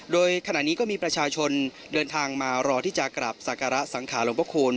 โดยขณะนี้ก็มีประชาชนเดินทางมารอที่จะกลับสักการะสังขาหลวงพระคูณ